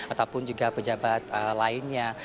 ataupun juga pejabat lainnya